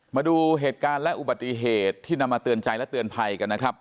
มาดูเหตุการณ์และอุบัติเหตุที่นำมาเตือนใจและเตือนภัยกันนะครับ